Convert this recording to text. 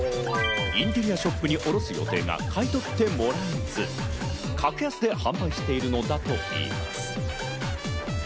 インテリアショップに卸す予定が買い取ってもらえず格安で販売しているのだといいます。